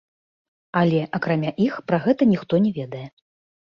Але акрамя іх, пра гэта ніхто не ведае.